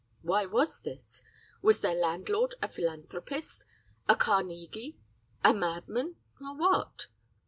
"Why was this? Was their landlord a philanthropist, a Carnegie, a madman, or what?